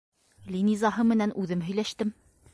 Линизаһы менән үҙем һөйләштем.